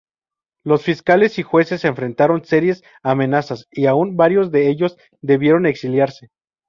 Los fiscales y jueces enfrentaron serias amenazas y aun, varios de ellos debieron exiliarse.